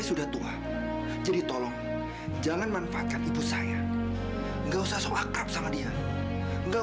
sampai jumpa di video selanjutnya